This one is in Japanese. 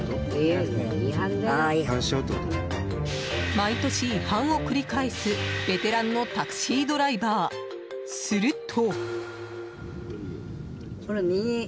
毎年違反を繰り返すベテランのタクシードライバーすると。